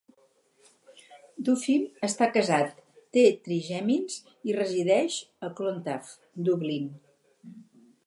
Duffy està casat, té trigèmins i resideix a Clontarf, Dublín.